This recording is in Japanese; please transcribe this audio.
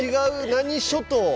何諸島？